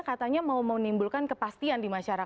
katanya mau menimbulkan kepastian